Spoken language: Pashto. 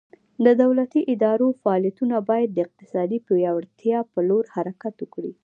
د دولتي ادارو فعالیتونه باید د اقتصادي پیاوړتیا په لور حرکت وکړي.